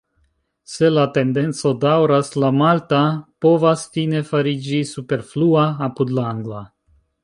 Se la tendenco daŭras, la malta povas fine fariĝi superflua apud la angla.